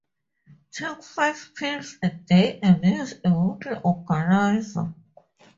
I take five pills a day and use a weekly organizer.